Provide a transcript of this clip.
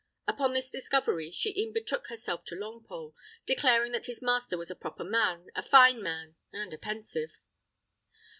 Upon this discovery, she e'en betook herself to Longpole, declaring that his master was a proper man, a fine man, and a pensive.